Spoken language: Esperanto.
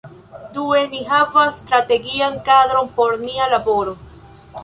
Due, ni havas strategian kadron por nia laboro.